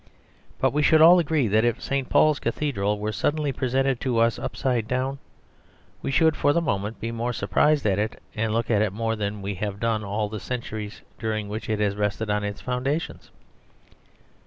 But we should all agree that if St. Paul's Cathedral were suddenly presented to us upside down we should, for the moment, be more surprised at it, and look at it more than we have done all the centuries during which it has rested on its foundations.